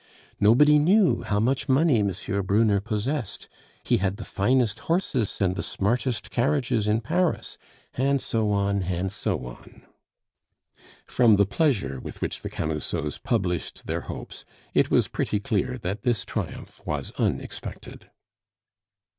Nobody knew how much money M. Brunner possessed; "he had the finest horses and the smartest carriages in Paris!" and so on and so on. From the pleasure with which the Camusots published their hopes, it was pretty clear that this triumph was unexpected.